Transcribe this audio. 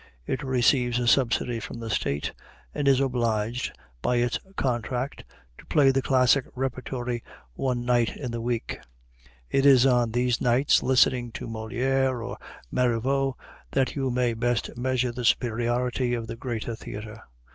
It receives a subsidy from the State, and is obliged by its contract to play the classic repertory one night in the week. It is on these nights, listening to Molière or Marivaux, that you may best measure the superiority of the greater theater.